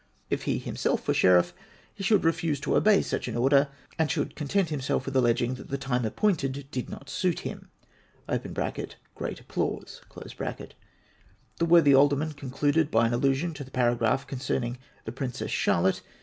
If he himself were Sheriff he should refuse to obey such an order ; and should content himself with alleging that the time appointed did not suit liim Qjreat applause). The worthy Alderman concluded by an allusion to the paragraph concerning the Princess Charlotte.